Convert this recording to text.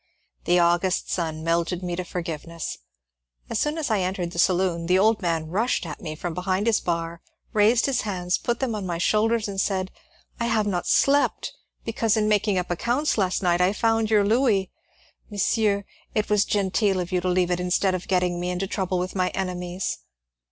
The August sun melted me to forgiveness. As soon as I entered the saloon the old man rushed at me from behind his bar, raised his hands, put them on my shoulders, and said, ^^ I have not slept, because in making up accounts last night I found your louis. Monsieur, it was genteel of you to leave it instead of getting me into trouble with my enemies."